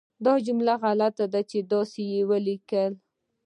دا جمله غلطه ده، داسې یې ولیکه